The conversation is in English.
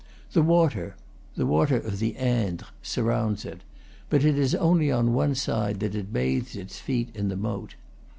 The water the water of the Indre sur rounds it, but it is only on one side that it bathes its feet in the moat.